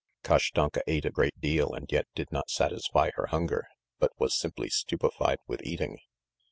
..." Kashtanka ate a great deal and yet did not satisfy her hunger, but was simply stupefied with eating.